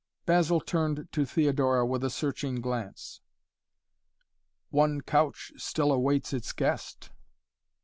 Basil turned to Theodora with a searching glance. "One couch still awaits its guest."